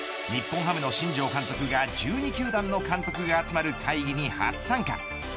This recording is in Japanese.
日本ハムの新庄監督が１２球団の監督が集まる会議に初参加。